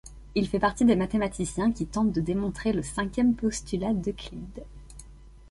Il fait partie des mathématiciens qui tentent de démontrer le cinquième postulat d'Euclide.